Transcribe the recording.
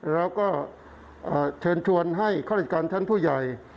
แล้วก็เชิญชวนให้ความรักษาการท่านผู้ใหญ่